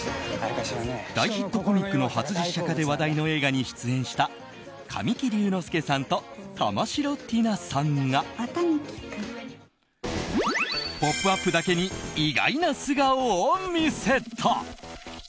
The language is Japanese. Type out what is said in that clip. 大ヒットコミックの初実写化で話題の映画に出演した神木隆之介さんと玉城ティナさんが「ポップＵＰ！」だけに意外な素顔を見せた。